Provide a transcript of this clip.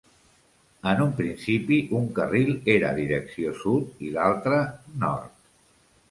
En un principi, un carril era direcció sud i l'altre, nord.